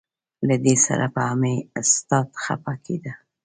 له دې سره به مې استاد خپه کېده.